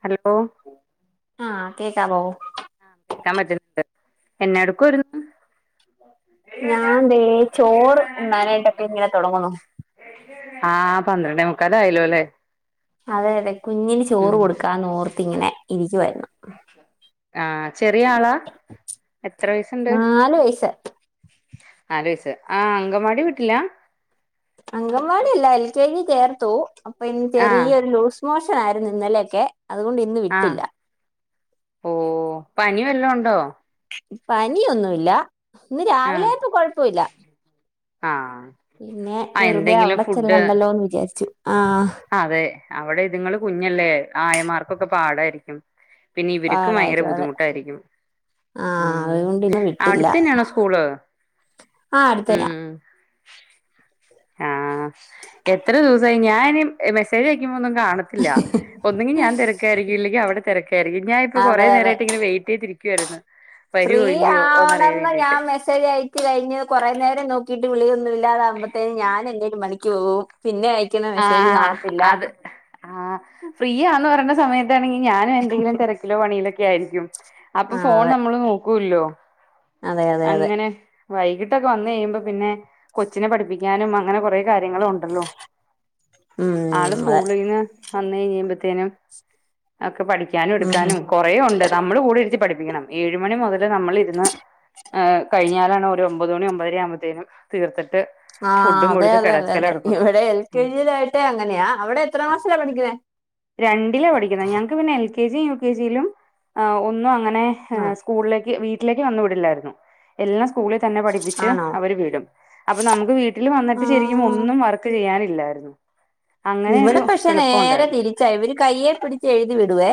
Hello ആഹ് കേക്കാ വൊ ആഹ് കേക്കാൻ പറ്റണ്ട് എന്നെ എടുക്കുംമായിരുന്നു ഞാൻന്തേ ചോറ് ഉണ്ണാനായിട്ടൊക്കെ ഇങ്ങനെ തുടങ്ങുന്നു ആഹ് പന്ത്രണ്ടേ മുക്കാലായല്ലോ ല്ലേ അതെ അതെ കുഞ്ഞിന് ചോറ് കൊടുക്കാന്ന് ഓർത്തിങ്ങനെ ഇരിക്കുുവരുന്നു ആഹ് ചെറിയ ആളാ എത്ര വയസുണ്ട് നാല് വയസ്സ് നാല് വയസ്സ് ആ അങ്കവാടി വീട്ടില്ല അങ്കൻവാടില്ല എൽ കെ ജി കേേർത്തു അപ്പൊ ഇനി ആ ചെറിയൊരു മോഷൻ ആയിരുന്നു ഇന്നലെൊക്കെ അതുകൊണ്ട് ഇന്ന് ആ വിട്ടില്ല ഓ പനി വല്ല ഉണ്ടോ പനിയൊന്നുല്ല ഇന്ന് ആ രാവിലെപ്പൊ കൊഴപ്പില്ല ആ പിന്നെ ആ വെറുതെ എന്തെങ്കിലും അവിടെ ഫുഡ് ചെല്ലണ്ടല്ലോ എന്ന് വിചാരിച്ചു ആഹ് അതെ അവിടെ ഇതുങ്ങൾ കുഞ്ഞല്ലേ ആയമാർക്കൊക്കെ പാടായിരിക്കും പിന്നെ ഇവർക്കും ഭയങ്കര പാടായിരിക്കും അതെ ബുദ്ധിമുട്ടായിരിക്കും ആഹ് ഉം അതുകൊണ്ട് ഇന്ന് അവിടുത്തന്നെയണോ സ്കൂള് ആഹ് അടുതന്ന്യ ഉം ആഹ് എത്ര ദിവസയി ഞാന മെസ്സേജ് ആക്കുമ്പോ കാണത്തില്ല ഒന്നുങ്കും ഞാൻ തിരക്കായിരിക്കും ല്ലങ്കിൽ അവിടെ തിരക്ക കറ ഞാൻ ഇപ്പൊ കൊറെ അതെ അതെ നേരമായിട്ട് ഇങ്ങനെ വെയിറ്റ് ചെയ്തിരിക്കുവായിരുന്നു വരുവോ ഇല്ലയോന്ന്റിയാൻ വേണ്ടിയിട്ട് ശരി ആയച്ചി കഴിഞ്ഞ് കുറെേ നേരം നോക്കിട്ട് വിളിയൊന്നും ഇാതാവക്പഴത്തേ ഞൻന്റെ ഒരു മണിക്ക് പോവും പിന്നെ അയക്കുന്ന മെസ്സേജ് ആഹ് കാണത്തില്ല അത് ആഹ് ഫ്രീ ആന്ന് പറയണ സമയത്താണെങ്കിൽ ഞാനും എന്തെങ്കിലും തിരക്കിലോ പണിയിലോൊക്കെ ആയിരിക്കും അപ്പൊ ആ ഫോൺ അതെ നമ്മള് നോക്കൂല്ലോ അതെ അതെ അതെ അങ്ങനെ വൈകിട്ടൊക്കെ വന്ന് കഴിയുമ്പോ പിന്നെ കൊച്ചിനെ പഠിപ്പിക്കാനും അങ്ങനെ കൊറേ കാര്യങ്ങളും ഉണ്ടല്ലോ ആള് ഉം അതെ സ്കൂളിന് വന്ന് കഴഞ്ഞിയുമ്പോത്തേനും ഒക്കെ പഠിക്കാനും ഉം എടുക്കാനും കൊറേയൊണ്ട് നമ്മള് കൂടെ ഇരുത്തി പഠിപ്പിക്കണം ഏഴ് മണി മുതല് നമ്മളിരുന്ന് ഏഹ് കഴിഞ്ഞാലാണ് ഒരു ഒമ്പത് മണി ഒമ്പതര ആവുമ്പോത്തേനും തീർത്തട്ട് ആഹ് അതെയതെയതെയതെ ഇവിടെ എൽ കെ ജിയിലായിട്ടേ അങ്ങനെയാ അവിടെ എത്ര ക്ലാസ്സിലാ പഠിക്കുന്നേ രണ്ടിലാ പഠിക്കുന്നേ ഞങ്ങക്ക് പിന്നെ L K G U K ജീലും ആ ഒന്നും അങ്ങനെ ഹ് ആ സ്കൂൾലേക്ക് വീട്ടിലേക്ക് തന്നു വിടില്ലായിരുന്നു എല്ലാം സ്കൂളിൽ തന്നെ പഠിപ്പിച്ച് ആണോ അവര് വിടും അപ്പൊ നമുക്ക് വീട്ടിൽ ആ വന്നിട്ട് ശെരിക്കും ഒന്നും വർക്ക് ചെയ്യാനില്ലായിരുന്നു അങ്ങനെ ഇവിട ഒരു പക്ഷെ എളുപ്പം നേരെ ഉണ്ടായിരുന്നു തിരി ച്ചാ ഇവര് കയ്യെ പിടിച്ച് എഴുതി വിടുവേ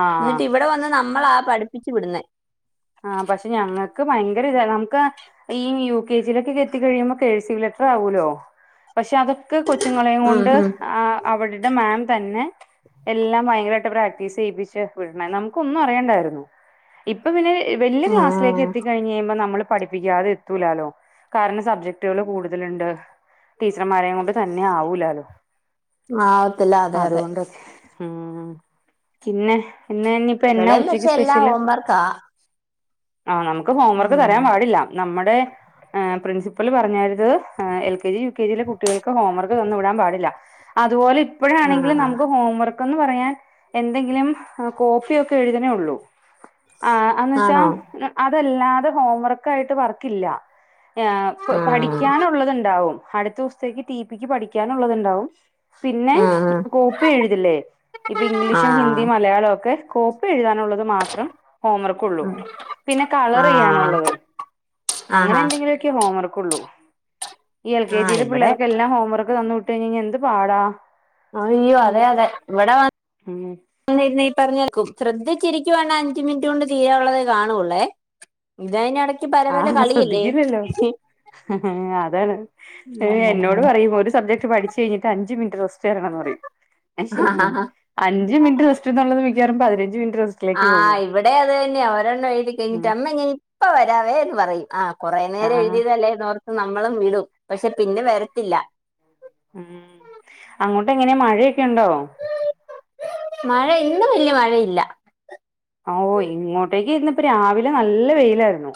ആഹ് എന്നിട്ട് ഇവിടെ വന്ന് നമ്മളാ പഠി പ്പിച്ചു വിടുന്നേ ആഹ് പക്ഷെ ഞങ്ങക്ക് ഭയങ്കര ഇതാ നംക്ക് ഈ യു കെ ജീലൊക്കെക്കെത്തി കഴിയുമ്പോ കെഴ്സീവ് ലെറ്റർ ആവൂല്ലോ പക്ഷെ അതൊക്കെ കൊച്ചുങ്ങളെയും ഉം കൊണ്ട് ഉം ആ അവരിട മാം തന്നെ എല്ലാം ഭയങ്കരായിട്ട് പ്രാക്ടീസ് ചെയ്യിപ്പിച്ച് വിടണേ നമുക്കൊന്നും അറിയണ്ടായിരുന്നു ഇപ്പൊ പിന്നെ വല്യ ക്ലാസ്സിലേക്ക് എ എത്തിക്കഴിഞ് കഴിയുമ്പോ നമ്മള് പഠിപ്പിക്കാതെ എത്തൂലാലോ കാരണം സബ്ജക്ട്ടുകൾ കൂടുതലുണ്ട് ടീച്ചർമാരെയും കൊണ്ട് തന്നെ ആവൂലാലോ ആവത്തില്ല അതെയതെ അതുകൊണ്ടൊക്കെ ഉം പിന്നെ എന്ന ഇന്നി ഇവിടേം പക്ഷെ എല്ലാം ഹോം വർക്കാ ആഹ് നമുക്ക് ഹോംവർക്ക് തരാൻ പാടില്ല നമ്മുടെ പ്രിൻസി പ്പള് പറഞ്ഞെത് ഏ L K G U K ജിയിലെ കുട്ടികൾക്ക് ഹോംവർക്ക് തന്നു വിടാൻ പാടില്ല അതുപോലെ ഇ ആഹ് പ്പഴാണെങ്കിലും ആഹ് നമുക്ക് ഹോം വർക്ക് എന്ന് പറയാൻ എന്തെങ്കിലും കോപ്പിയൊക്കെ എഴുതണേ ഉള്ളൂ. ആഹ് അന്ന്വെച്ചാ ആണോ അതല്ലാതെ ഹോംവർക്ക് ആയിട്ട് വർക്കില്ല. പ് ആഹ് പഠിക്കാനുള്ളത്ണ്ടാവും അടുത്തൂസ്ത്തേക്ക് ട്ടീ പിക്ക് പഠിക്കാനുള്ളത്ണ്ടാവും. പിന്നെ ആഹ് കോപ്പി എഴുതില്ലേ ഇപ്പി ഗ്ലീഷും ആഹ് ഹിന്ദിയും മലയാളവൊക്കെ കോ പ്പി എഴുതാനുള്ളത് മാത്രം ഹോംവർ ക്കുള്ളു ഉം പിന്നെ കളറെയ്യാനൊള്ളത് ആഹ് ആഹാ അങ്ങനെന്തെങ്കിലൊ ക്കെ ഹോംവർക്കൊള്ളു ഈ എൽ കേ ആഹ് ജിലെ ഇവിടെ പിള്ളേർക്കെല്ലാം ഹോം വർക്ക്‌ തന്നു വിട്ടേയിഞെയിഞ്ഞ യെന്ത് പാടാ. അളള അതെ നമുക്ക് അതെ ഇവിടെ വ ഉം ന്നിരുന്ന ഈ പറഞ്ഞേക്കും ശ്രദ്ധിച്ചിരിക്കുവാണ അഞ്ച് മിൻറ്റ് കൊണ്ട് ചെയ്യാ ഉള്ളതേ കാണൂള്ളേ ഇതയിനെടക്ക് പലപല ആഹ് കളിയല്ലേ. ശ്രദ്ധിക്കില്ലല്ലോ അതാണ് ഉം എന്നോട് പറയും ഒരു സബ്ജക് പഠിച്ച് കഴിഞ്ഞിട്ട് അഞ്ച് മിനിറ്റ് റസ്റ്റ് തരണം ന്ന് പറയും. അഞ്ച് മിനിറ്റ് റസ്റ്റ് എന്നുള്ളത് മിക്കവാറും പതിനഞ്ച് മിനിറ്റ് റെസ്റ്റ് ആഹ് ഇവിടെ അതന്നെയാ ഒരെണ്ണംഴ്തി ഉം കഴിഞ്ഞിട്ട് അമ്മെ ഞയിപ്പ വരാവേ എന്ന് പറയും. ആഹ് കൊറെേ നേരം ആഹ് എഴുതീതല്ലേ എന്നോർത്ത് നമ്മളും വിടും പക്ഷെ പിന്നെ വെരത്തില്ല. ഉം അങ്ങോട്ട് എങ്ങനെയാ മഴയൊക്കെ ഉണ്ടോ? മഴ ഇന്ന് വല്യ മഴയില്ല. ആഹ് ഓ ഇങ്ങോട്ടേക്ക് ഇന്നിപ്പോ രാവിലെ നല്ല വെയിലായിരു. ന്നു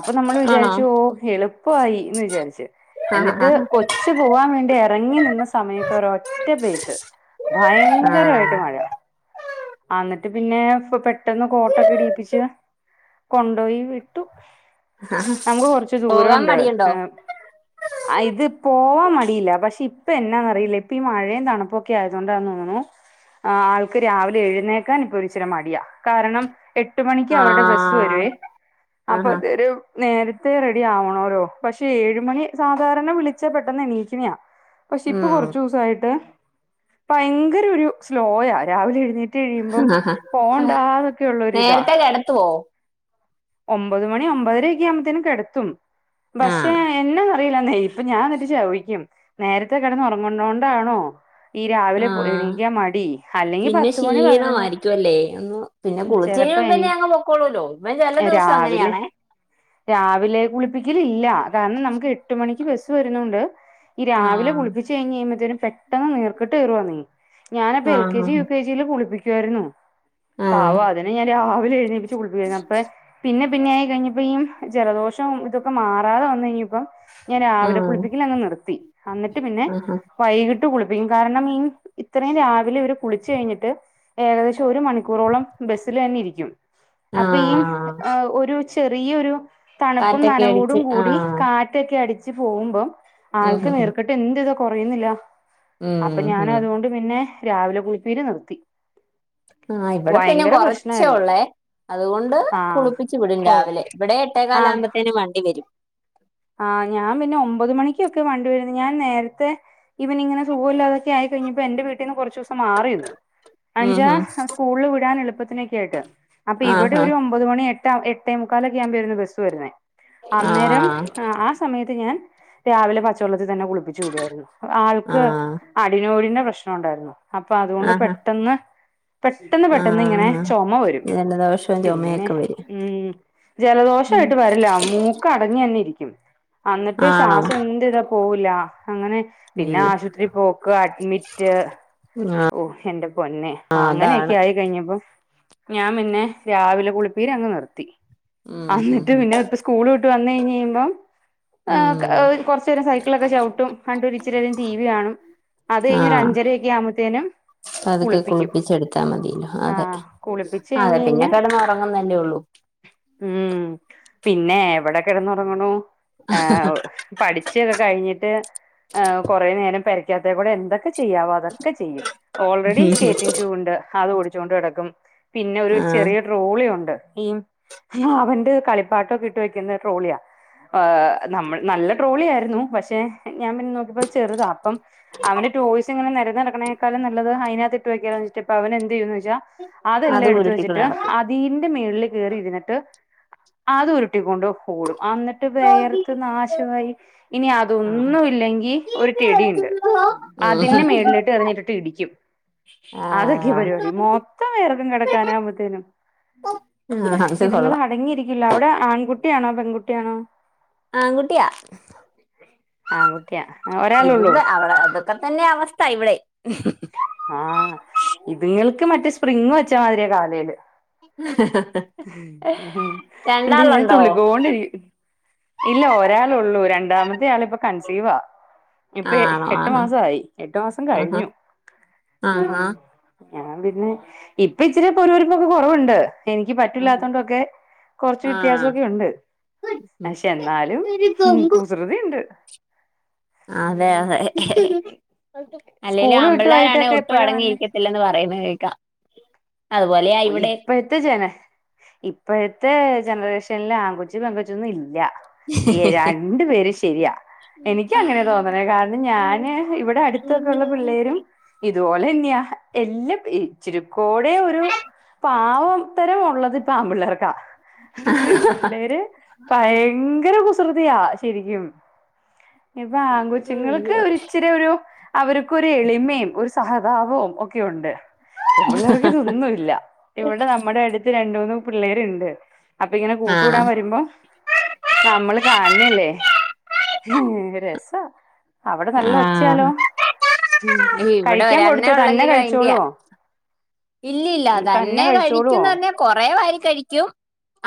അപ്പൊ നമ്മൾ ആണോ വിചാരിച്ചു ഓഹ് എളുപ്പായി എന്ന് വിചാരിച്ചു. ആഹ് എന്നിട്ട് ആഹ് കൊച്ച് പോവാൻ വേണ്ടി എറങ്ങി നിന്ന സമയത്ത് ഒരൊറ്റ പെയ്ത്ത്. ഭയങ്കരായിട്ട് ആഹ് മഴ. ആ ന്നിട്ട് പിന്നെ പെട്ടെന്ന് കോട്ടൊക്കൊഇടീപ്പിച്ച്. കൊണ്ടോയി വിട്ടു നമുക്ക് കൊറച്ച് പോകാൻ ദൂരൊണ്ട്. മടിയുണ്ടോ ഏഹ് അ ഇത് പോവാൻ മടിയില്ല പക്ഷെ ഇപ്പൊ എന്നാന്നറിയില്ല ഇപ്പീ മഴേം തണുപ്പൊക്കെ ആയതൊണ്ടാന്നോന്നു. ആഹ് ആൾക്ക് രാവിലെ എഴുന്നേക്കാൻ ഇപ്പൊരിച്ചിരി മടിയാ കാരണം. എട്ട് മണിക്ക് അവരുടെ ബസ്സ് ആഹ് വരുവേ അപ്പൊ ആഹാ അന്നേരം. നേരത്തെ റെഡി ആവണോല്ലോ പക്ഷെ ഏഴുമണി സാധാരണ വിളിച്ചാൽ പെട്ടെന്ന് എണീക്കണെയാ. പക്ഷെ ഇപ്പൊ ഉം കുറച്ചൂസായിട്ട് ഭയങ്കര ഒരു സ്ലോയ രാവിലെ എഴുന്നൊറ്റ്. കറ്റ കഴിയുമ്പം പോണ്ടാതൊക്കെള്ളൊ ഒരു ഇതാ [unintelligible] കൊടുത്തോ. ഒമ്പത് മണി ഒമ്പതരക്കെ ആകുമ്പത്തേും കെടത്തും പക്ഷെ ആഹ് എന്ന അറിയില്ല നെയ്. അപ്പൊ ഞാൻ എന്നിട്ട് ചവിക്കും നേരത്തെ കിടന്ന ഉറങ്ങുന്നോണ്ടാണോ. ഈ രാവിലെ ആഹ് എണീക്കാ മടി അല്ലെങ്കി പിന്നെ പത്ത് മണി പതിനൊന്നു മണി. ക്ഷീണമായിരിക്കും അല്ലേ ഉ ചെലപ്പോയനികും. സ്കൂൾ ള്വിടൊ [unintelligible] രാവിലെ രാവിലെ കുളിപ്പിക്കലി ഇല്ല കാരണം നമുക്ക് എട്ട് മണിക്ക് ബസ്സ് വരുന്നുണ്ട്. ഈ ആഹ് രാവിലെകുളിപ്പിച്ചച്ച് കഴിഞ്ഴിയ് പെട്ടെന്ന് നിർകേട്ട് വരുവാ. ഞാനപ്പൊ എൽ കെ ആഹ് ജി യു കെ ജി ചൽ കുളിപ്പിക്കുവായിരുന്നു ആഹ് പാവം അതിനെ ഞാ രില എഴുന്നേപ്പിച്ച് കുളിപ്പിക്ക [unintelligible] അപ്പ പിന്നെ പിന്നെ ആയി കഴിഞ്ഞപ്പോ ഈ ജലദോഷവും ഇതൊക്കെ മാറാതെ വന്നു കഴിഞ്ഞ ഇപ്പം. ഞാൻ രാവിലെ ആഹ് കുളിപ്പിക്കലാ അങ്ങ് നിർത്തി അന്നിട്ട് പിന്നെ. ആഹ് വൈകിട്ട് കുളിപ്പിക്കും കാരണം മിൻസ് ഇത്രയും രാവിലെ ഇവർ കുളിച്ചു കഴിഞ്ഞിട്ട്. ഏകദേശം ഒരു മണിക്കൂറോളം ബസ്സിൽ തന്നെ ഇരിക്കും. അപ്പൊ ആഹ് ഒരു ചെറിയരു തണുപ്പും കാറ്റൊക്കെ നനവോടും അടിച്ച് കൂടി ആഹ് കാ ക്കെ അടിച്ച് പോകുമ്പം ഉം ആൾക്ക് ഉം നേർക്കട്ട് എന് ഇതോ കുറയുന്നില്ല അപ്പൊ ഉം ഉം ഞാനതുകൊണ്ട് പിന്നെ രാവിലെ കുഴപ്പീര് നിർത്തി ആ ഇവിടെപിന്നെ ഭയങ്കര കൊറച്ച പ്രശ്നായിരുന്നു ഒള്ളേ അതുകൊണ്ട് ആഹ് കുളിപ്പിച്ചു വിടും രാവിലെ കൊഴപ്പം ഇവിടെ എട്ടേ ആഹ് കാലാവുമ്പോഴത്തേന് വണ്ടി വരും ആഹ് ഞാൻ പിന്നെ ഒമ്പത് മണിക്കൊക്കെ വണ്ടിവരുന്നു ഞാൻ നേരത്തെ ഇവനിങ്ങനെ സുഖിലതൊെയി കഴഞ്ഞപ്പോ എന്റെ വീട്ടിന്ന് കുറച്ച് - [unintelligible] മാറി [unintelligible] ഉം അഞ്ചാ ഹും സ്കൂളിൽ വിടൻ എളുപ്പത്തിനൊക്കെ ആയിട്ട് അപ്പൊ ആഹാ ഇവിടെഒരു - പൊതുമണി എട്ട് എട്ടേ മുക്കാലൊക്ക ആവുമ്പോ വരരുന്നു ബസ്സ് വരുന്നേ അന്നേരം ആഹ് ആ സമയത്ത് ഞാൻ രാവിലെ പച്ചവെള്ളത്തിൽ തന്നെ കുളിപ്പിച്ചു വിടുായിരുന്നു ആൾക്ക് ആഹ് അടിനോടന്റെ പ്രശ്നംണ്ടായിരുന്നു അപ്പൊ അതുകൊണ്ട് ആഹാ പെട്ടെന്ന് പെട്ടെന്ന് പെട്ടെന്ന് ഇങ്ങനെ ആഹ് ചുമ വരും ജലദോഷവും പിന്നെ ചുമയൊക്കെ വരും ഉം ജലദോഷ ഉം ആയിട്ട് വരില്ല മൂ അടങ്ങി തന്നെയിരിക്കും എന്നിട്ട് ആണോ ശ്വാസം എന് ഇതാ പോവില്ല അങ്ങനെ പിന്നെ അയ്യോ ആശുപത്രി പോക്ക് അഡ്മിറ്റ് ആഹ് ഓഹ് എന്റെ പൊന്നെ ആഹ് അങ്ങനെയൊക്കെ അതാണ് ആയി കഴിഞ്ഞപ്പോ ഞാൻ പിന്നെ രാവിലെ കുളിപ്പീര് അങ്ങ് നിർത്തി ഉം ഹും അന്നിട്ട് ഹും പിന്നെ ഇപ്പ സ്കൂൾ വിട്ട് വന്ന കഴിഞ്ഞ് കഴിയുമ്പം ഉം കുറച്ച നേരം സൈക്കിളൊക്കെ ചവിട്ടും കണ്ട ഇരിച്ചിും ടി വി കാണും അത് കയിഞ് ഒരു അഞ്ചരക്ക ആവുമ്പ അപ്പ അതൊക്കെ കുളിപ്പിച്ച എടുത്താ മതില്ലോ അതെ ആഹ് കുളിപ്പിച്ച് അതെ കഴിഞ്ഞ് പിന്നെ കഴിഞ്ഞാ കിടന്ന് ഉറങ്ങുന്നതല്ലേ ഉള്ളൂ ഉം പിന്നെ എവിടെ കെടന്നുറങ്ങണു ആഒ പഠിച്ചൊക്കെ കഴിഞ്ഞിട്ട് കുറെേ നേരം പരിക്കാത്ത കൂടെ എന്തൊക്കെ ചെയ്യാവോ അതൊക്കെ ചെയ്യും ഓൾറെഡി സ്കേറ്റിംഗ് ഷൂ ഉണ്ട് അത് ഓടിച്ചുകൊണ്ട് കടക്കും പിന്നെ ഒരു ആഹ് ചെറിയ ട്രോളിയ ഉണ്ട് ഈ മാവന്റെ കളിപ്പാട്ടൊക്കെ ഇട്ട് വെക്കുന്ന ട്രോളിയാ നമ്മൾ നല്ല ട്രോളി ആയിരുന്നു പക്ഷെ ഞാൻ പിന്നെ നോക്കിപ്പോ ചെറുതാ അപ്പം അവന്റെ ടോയ്‌സ് ടയ്സ്ങ്ങനെ നര നടക്കേക്കാും നത് അതിനകത്ത്ട്ട് വെക്കാോ വെിട്ട്പ്പ അവ എന്ത് ചെയ്യന്ന് വെച്ചാ അത് അതെല്ലാം എടുത്ത ഉരുട്ടിക്കൊണ്ട് വെച്ചിട്ട് നടക്കും അതീന്റെ മേളിൽ കയറി ഇരുന്നിട്ട് അത് ഉരുട്ടിക്കൊണ്ട് കഓടും അന്നിട്ട് വേയർത്ത് നാശമായി ഇനി ആഹ് അതൊന്നും ഇല്ലെങ്കി ഒരു ടെഡിയുണ്ട് ഉം. അതിന് മേളിട്ട് െറിഞ്ഞിട്ട് ഇടിക്കും ആ അതൊക്കെ പരിപാടി ആ, മൊത്തം വേറക്കും കിടക്കാനാവകുമ്പത്തേനും അത് ഇതുങ്ങൾ കൊള്ളാം അടങ്ങിയിരിക്കില്ല അവിടെ ആൺകുട്ടിയാണോ പെൺകുട്ടിയാണോ ആൺകുട്ടിയാ ആൻ [unintelligible] ഇതിണ്ട് അവിടെ അതൊക്കെ തന്നെ അവസ്ഥ ഇവിടെയും ആഹ് ഇതുങ്ങൾക്ക് മറ്റേ സ്പ്രിങ് വെച്ചാ മാതിരിയ കാലയില് എണ്ട് ഇങ്ങനെ രണ്ടാളുണ്ടോ തുള്ളികൊണ്ടിരിക്കും ഇല്ല ഒരാള ഉള്ളൂ രണ്ടാമത്തെ ആളിപ്പൊ കൺസീവാ ഇപ്പ ആണോ ആ എട്ട് മാസയി എട്ടു മാസം കഴിഞ്ഞു ആഹ് ആഹ് ഞൻ പിന്നെ ഇപ്പ ഇച്ചിരി പൊരുരിപ്പൊക്കെ കുറവുണ്ട് എനിക്ക് പറ്റൂല്ലാത്ത ആഹാ. കൊണ്ടൊക്കെ കുറച്ച് ആ വ്യത്യാസമൊക്കെ ഉണ്ട് പക്ഷെ എന്നാലും ഒരു കൊമ്പ് കുസൃതി ഉണ്ട് അതെ അതെ അല്ലെലും സ്കൂള് വിട്ട് ആമ്പിള്ളാരാണെ വൈകിട്ടൊക്കെ ഒട്ടും എപ്പഴാ വന്നെ അടങ്ങിയിരിക്കത്തി ഇല്ലന്ന് പറയുന്നത് കേൾക്കാം അതുപോലെ ഓഹ് ഇപ്പ ഇത്തെ ജന ഇപ്പഴത്തെ ജനറേഷനിൽ ആ കൊച്ചും പെങ്കൊച്ചൊന്നും ഇല്ല ഏഹ് രണ്ടു പേരും ശരിയാ എനിക്ക അങ്ങനെ തോന്നണ കാരണം ഞാന് ഇവിടെ അടുത്തൊക്കെ ഉള്ള പിള്ളേരും ഇതുപോലെന്നെയാ എല്ലാം ഇച്ചിരിക്കൂടെ ഒരു പാവത്തരം ഉള്ളത്പ്പ ആമ്പിള്ളേർക്കാ പെമ്പിള്ളേര് ഭയങ്കര കുസൃതിയാ ശരിക്കും ഇപ്പാ ആങ്കൊച്ചുങ്ങൾക്ക് ഒരിച്ചിരി ഒരു അവർക്കൊരു എളിമയും ഒരു സഹതാപവും ഒക്കെ ഉണ്ട് പിള്ളേർക്ക് ഇതൊന്നുല്ല ഇവിടെ നമ്മുടെ അടുത്ത് രണ്ട് മൂന്ന് പിള്ളേരുണ്ട് അപ്പങ്ങനെ ആ കൂട്ട് കൂടാൻ വരുമ്പോ നമ്മള് കാണണല്ലേ രസാ അവിടെ നല്ല ആ ഒച്ചയാലോ ഇവിടെ കഴിക്കാൻ ഒരെണ്ണേ കൊടുത്തോ തന്നെ കഴിച്ചോളോ ഇല്ലല്ലതന്നെ കഴിച്ചോളുവോ കഴിക്കുന്ന് പറഞ്ഞ കൊറെ വാരി കഴിക്കും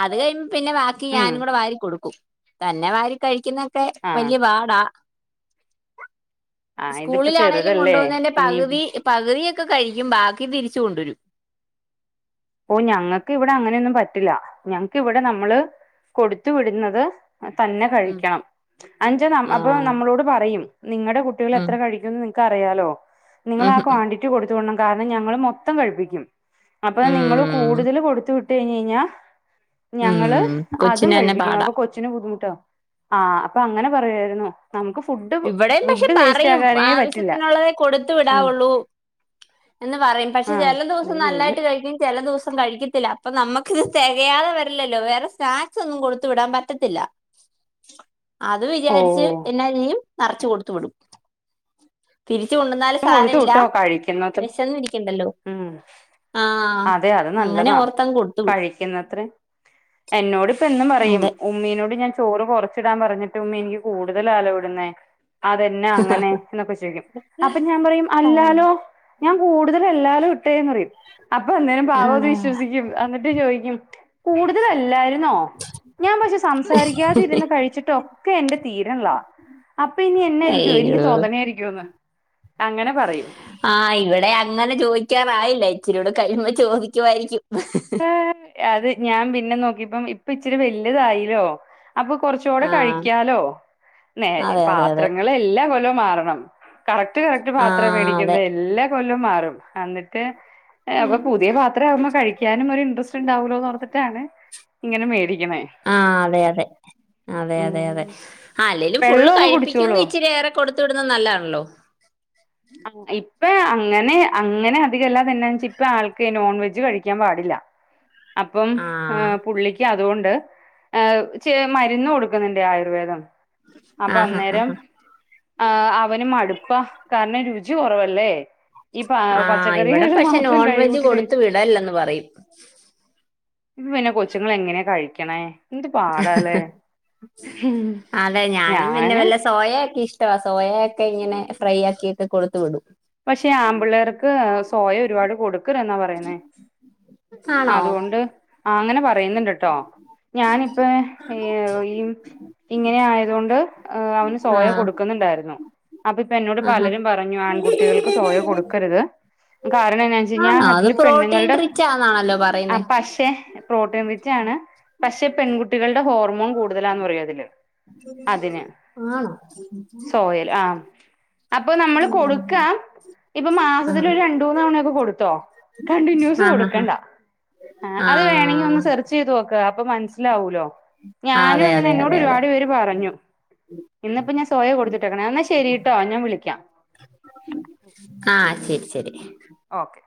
അത് കഴിയുമ്പ പിന്നെ ബാക്കി ഉം ഞാനും കൂടെ വാരി കൊടുക്കും തന്നെ വാരി കഴിക്കുന്ന ഒക്കെ ആഹ് വലിയ പാടാ ആഹ് ഇതിപ്പോ സ്കൂളിലാണെങ്കിലും കൊണ്ടു ചെറുതല്ലേ പോകുന്നതിന്റെ ഇനിയിപ്പോ പകുതി പകുതി ഒക്കെ കഴിക്കും ബാക്കി തിരിച്ച് കൊണ്ടുവരും ഓഹ് ഞങ്ങക്ക് ഇവിടെ അങ്ങനെന്നും പറ്റില്ല ഞങ്ങക്ക് ഇവിടെ നമ്മള് കൊടുത്തു വിടുന്നത് തന്നെ ഉം കഴിക്കണം അഞ്ചാ ആ അപ്പൊ നമ്മളോട് പറയും നിങ്ങളുടെ കുട്ടികൾ ഉം എത്ര കഴ ക്കും നിങ്ങക്ക് അറിയാലോ നിങ്ങള് ഉം ആ ഉം ക്വാണ്ടിറ്റി കൊടുത്ത വിടണം കാരണം ഞങ്ങള് മൊത്തം കഴിപ്പിക്കും അപ്പൊ നിങ്ങള് ഉം കൂടുതൽ കൊടുത്ത വിട്ട കഴിഞ്ഞ കഴിഞ്ഞാ ഞങ്ങള് ഉം അതും കൊച്ചിന് തന്നെ കഴിപ്പിക്കും പാടാ അപ്പൊ കൊ കൊച്ചിന് ബുദ്ധിമുട്ടാ ആഹ് അപ്പൊ അങ്ങനെ പറയുവായിരുന്നു നമുക്ക് ഫുഡ് ഇവിടെയും പക്ഷെ ഫുഡ് വേസ്റ്റ് പറയും ആകാനേ പറ്റില്ല ആവശ്യത്തിനുള്ളതേ കൊടുത്തു ഉം വിടാവുള്ളൂ എന്ന് പറയും പക്ഷെ ആ ചില ദിവസം ഇത് വെയില് നല്ലായിട്ട് കഴിക്കും ചില ദിവസം കഴിക്ക ത്തില്ല അപ്പൊ നമുക്ക്ത് തികയാതെ വരില്ലല്ലോ വേറെ സ്നാക്സ് ഒന്നും കൊടുത്ത് വിടാൻ പറ്റത്തില്ല അത് ഓ വിചാരിച്ച് എന്നാ ചെയ്യും നിറച്ച കൊടുത്തു വിടും തിരിച്ചു കൊണ്ട് വന്നാലും കൊടുത്തു സാരവില്ല വിട്ടോ കഴിക്കുന്നത് വിശന്ന് ഇരിക്കണ്ടല്ലോ ഉം ആഹ് അങ്ങനെ ഓർത്തങ്ങ് കൊടുത്തു വിട്ടു വെക്കുന്നത്ര എന്നോട് ഇപ്പം എന്നും പറയും അതെ ഉമ്മീനോട് ഞാൻ ചോറ് കൊറ ച്ചിടാൻ പറഞ്ഞിട്ടും ഉമ്മി എനിക്ക് കൂടുതലാലോ ഇടുന്നേ അതെന്നാ അങ്ങനെ എന്നൊക്കെ ചോദിക്കും അപ്പൊ ഞാൻ പറയും ആ, അല്ലാലോ ഞാൻ കൂടുതൽ തല്ലാല്ലോ ഇട്ടേന്ന് പറയും അപ്പൊ അന്നേരം പാവം അത് വിശ്വസിക്കും എന്നിട്ട് ചോദിക്കും കൂടുതലല്ലായിരുന്നോ? ഞാൻ പക്ഷെ സംസാരിക്കാതിരുന്ന് കഴിച്ചിട്ടൊക്കെ എൻറെ തീരണിള്ളാ അപ്പൊ ഇനി എന്നായിരിക്കോ എനിക്ക് അയ്യോ തോന്നണായിരിക്കോന്ന് അങ്ങനെ പറയും ആഹ് ഇവിടെ അങ്ങനെ ചോദിക്കാറായില്ല ഇച്ചരിയൂടെ കഴിയുമ്പോ ചോദിക്കുവായിരിക്കും അത് ഞാൻ പിന്നെ നോക്കിയപ്പം ഇപ്പ ഇച്ചിരി വലുതായില്ലോ അപ്പൊ കൊറച്ചൂടെ ആ കഴിക്കാലോ നേ അതെ അതെ അതെ പാത്രങ്ങള് എല്ലാ കൊല്ലൊ മാറണം. കറക്റ്റ് കറക്റ്റ് ആ പാത്ര മേടിക്കുന്ന അതെ എല്ലാ കൊല്ലും മാറും എന്നിട്ട്. ഏഹ് അപ്പൊ പുതിയ പാത്രം ആവുമ്പോൾ കഴിക്കാനും ഒരു ഇൻട്രസ്റ്റ് ഉണ്ടാവോലോന്ന് ഓർത്തിട്ടാണ് ഇങ്ങനെ മേടിക്കുന്നേ. ആഹ് അതെ അതെ അതെ അതെ അതെ അല്ലേലും ഫുള്ള് വെള്ളമൊക്കെ കഴിപ്പിക്കുങ്കി കുടിച്ചോളൂ ഇച്ചിരി ഏറെ. കൊടുത്ത് വിടുന്നത് നല്ലാണല്ലോ. ആ ഇപ്പ അങ്ങനെ അങ്ങനെ അധികല്ലാത് എന്നാ വെച്ച ഇപ്പ ആൾക്ക് നോൺ വെജ് കഴിക്കാൻ പാടില്ല. അപ്പം ആ ഹ് പുള്ളി ക്ക് അതുകൊണ്ട് ഏഹ് ചെ മരുന്ന് കൊടുക്കുന്നുണ്ട് ആയുർവേദം. ആ അപ്പൊ ഹാ ഹാ അന്നേരം ഹാ. ആഹ് അവന് മടുപ്പ കാരണം രുജി കൊറവല്ലേ. ഈ പ ആ ഇവിടെ പച്ചക്കറികൾ പക്ഷെ മാത്രം നോൺ കയ് വെജ് കൂട്ടി കൊടുത്തു കഴിച്ച്. വിടല്ലെന്ന് പറയും ഇത് പിന്നെ കൊച്ചുങ്ങൾ എങ്ങനെയാ കഴിക്കണേ? എന്ത് പാടാല്ലേ അതെ ഞാനും പിന്നെ ഞാന് വല്ല സോയക്കെ ഇഷ് ട്ടാ സോയ ഒക്കെ ഇങ്ങനെ ഫ്രൈ ആക്കീട്ട് കൊടുത്തു വിടും. പക്ഷെ ആമ്പിള്ളേർക്ക് സോയ ഒരുപാട് കൊട്. ക്കരുതെന്നാ പറയുന്നേ ആണോ അതുകൊണ്ട് ആഹ് അങ്ങനെ പറയുന്നുണ്ട്. ട്ടോ ഞാനിപ്പം ഈം ഈ. ഇങ്ങനെ ആയതുകൊണ്ട് അവന് ആ സോയ കൊടുക്കുന്നുണ്ടായിരുന്നു. അപ്പൊ ഇപ്പൊ എന്നോട് ആ ഹാ. പലരും പറഞ്ഞു ആൺകുട്ടികൾക്ക് സോയ കൊടുക്ക ല് കാരണംന്താ വെച്ച്കഴിഞ്ഞാ ആണോ അത് അതില് പ്രോട്ടീൻ പെണ്ണുങ്ങളുടെ റിച്ച് ആണെന്നാണല്ലോ ആ പറയുന്നേ പക്ഷെ. പ്രോട്ടീൻ റിച്ചാണ് പക്ഷെ പെൺകുട്ടികളുടെ ഹോർമോൺ കൂ ടുതലന്നറയുതില് അതിന് ആണോ സോയൽ ആഹ്. അപ്പം നമ്മള് കൊട്. ക്ക ഇപ്പൊ ആ മാസത്തി ഒരു രണ്ടൂന്ന് തവണയൊക്കെ കൊടുത്തോ കണ്ടിന്യൂസ് ആ ആ ആ കൊടുക്കണ്ട. ആഹ് ആ അത് വേണെങ്കി ഒന്ന് സെർച്ച് ചെയ്ത് നോക്ക അപ്പൊ മനസ്സിലാവൂലോ? ആ, ഞാനും അതെ ഇങ്ങനെ അതെ എന്നോട് അതെ അതെ ഒരുപാട് പേര് പറഞ്ഞു. ഇന്നിപ്പോ ഞാൻ സോയ കൊടുത്തിട്ടേക്ക്ണ് എന്നാ ശരിട്ടോ ഞാൻ വിളിക്കാം. ആഹ് ശെരി ശെരി. ഓക്കെ.